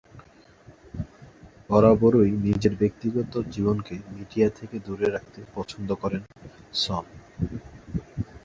বরাবরই নিজের ব্যক্তিগত জীবনকে মিডিয়া থেকে দূরে রাখতে পছন্দ করেন সন।